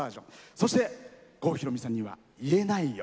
そして、郷ひろみさんには「言えないよ」。